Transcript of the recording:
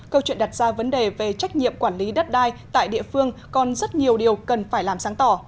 câu chuyện đặt ra vấn đề về trách nhiệm quản lý đất đai tại địa phương còn rất nhiều điều cần phải làm sáng tỏ